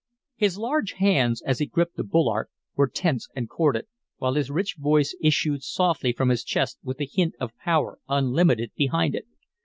His large hands, as he gripped the bulwark, were tense and corded, while his rich voice issued softly from his chest with the hint of power unlimited behind it.